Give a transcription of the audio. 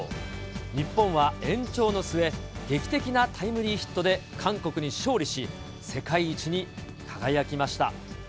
日本は延長の末、劇的なタイムリーヒットで韓国に勝利し、世界一に輝きました。